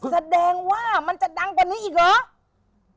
แสดงว่ามันจะดังกว่านี้อีกเหรอ